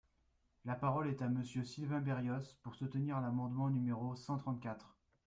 La parole est à Monsieur Sylvain Berrios, pour soutenir l’amendement numéro cent trente-quatre.